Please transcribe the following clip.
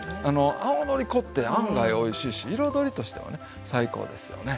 青のり粉って案外おいしいし彩りとしてはね最高ですよね。